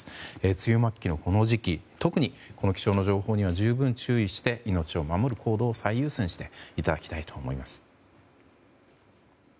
梅雨末期のこの時期特に気象の情報には十分注意して命を守る行動を最優先していただきたいと思います。